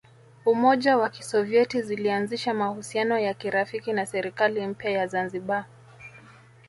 Umoja wa Kisovyeti zilianzisha mahusiano ya kirafiki na serikali mpya ya Zanzibar